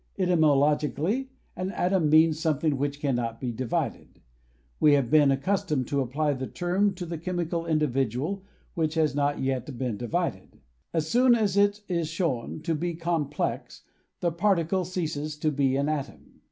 Etymologically, an atom means something which cannot be divided. We have been ac customed to apply the term to that chemical individual which has not yet been divided. As soon as it is shown to be complex the particle ceases to be an atom.